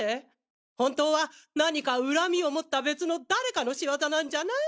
本当は何か恨みをもった別の誰かの仕業なんじゃない！？